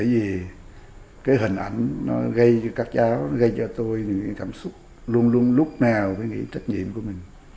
vì cái hình ảnh nó gây cho các cháu gây cho tôi những cảm xúc luôn luôn lúc nào với nghĩa trách nhiệm của mình